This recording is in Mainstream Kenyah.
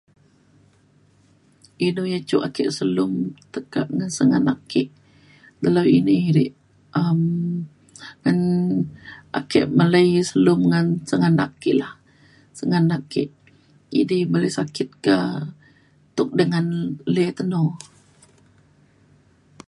Inu yak cuk ake selum tekak gan senganak ke dalau ini rek um un ake melai selum ngan seganak ke lah senganak ke ini meli sakit ke tuk dengan ley keno.